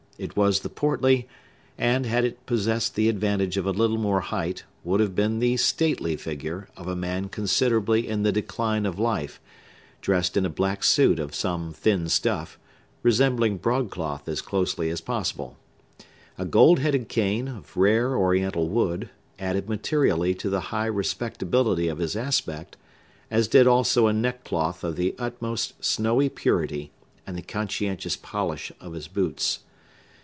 It was the portly, and, had it possessed the advantage of a little more height, would have been the stately figure of a man considerably in the decline of life, dressed in a black suit of some thin stuff, resembling broadcloth as closely as possible. A gold headed cane, of rare Oriental wood, added materially to the high respectability of his aspect, as did also a neckcloth of the utmost snowy purity, and the conscientious polish of his boots.